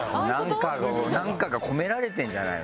なんかが込められてるんじゃないの？